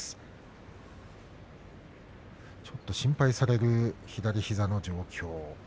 ちょっと心配される左膝の状況です。